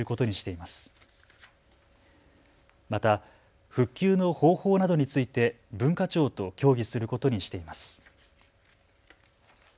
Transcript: また、復旧の方法などについて文化庁と協議することにしています。